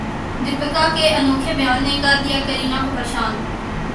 دیپیکا کے انوکھے بیان نے کردیا کرینہ کو پریشان